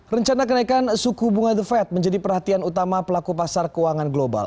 rencana kenaikan suku bunga the fed menjadi perhatian utama pelaku pasar keuangan global